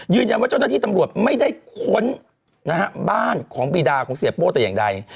ว่าเจ้าหน้าที่ตำรวจไม่ได้ค้นบ้านของบีดาของเสียโป้แต่อย่างใด